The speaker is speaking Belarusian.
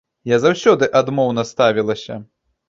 Я заўсёды адмоўна ставілася.